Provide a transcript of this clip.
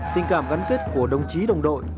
tình cảm gắn kết của đồng chí đồng đội